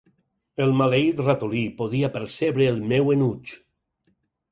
El maleït ratolí podia percebre el meu enuig.